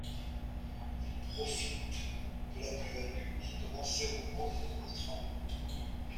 Il profite de la plus-value, qui commençait au moment des contrats.